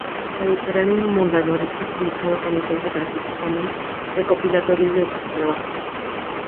La editorial Mondadori ha publicado, con licencia Creative Commons, recopilatorios de sus trabajos.